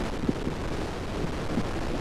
夫婿是专注妖怪事迹的日本作家。